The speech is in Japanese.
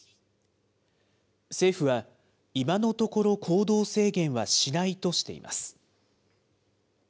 政府は、今のところ行動制限はしないとしています。